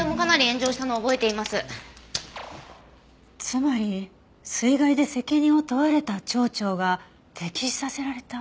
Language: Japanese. つまり水害で責任を問われた町長が溺死させられた。